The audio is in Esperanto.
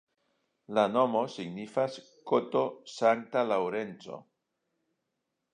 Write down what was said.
La nomo signifas koto-Sankta Laŭrenco.